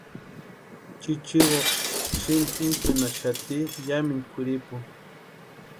Chichiwo sïmpa intsipinhaxati yamintu kwʼiripuni.